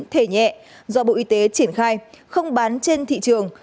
thể nhẹ do bộ y tế triển khai không bán trên thị trường